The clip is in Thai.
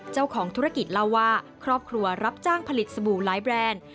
เจ้าของธุรกิจเล่าว่าครอบครัวรับจ้างผลิตสบู่หลายแบรนด์